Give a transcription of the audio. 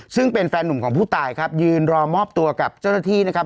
ซึ่งเป็นแฟนหนุ่มของผู้ตายครับยืนรอมอบตัวกับเจ้าหน้าที่นะครับ